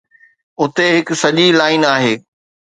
اتي هڪ سڄي لائن آهي.